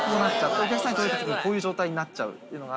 お客さんに届いた時にこういう状態になっちゃうので。